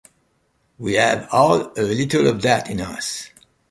We all have a little of that in us.